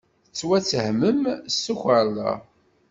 Ttwattehmen s tukerḍa.